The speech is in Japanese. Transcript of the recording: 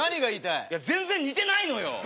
いや全然似てないのよ！